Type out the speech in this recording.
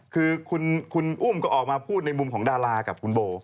คือคุณอุ้มก็ออกมาพูดในมุมของดารากับคุณโบ